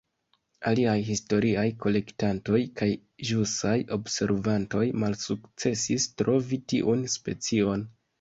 Aliaj historiaj kolektantoj kaj ĵusaj observantoj malsukcesis trovi tiun specion.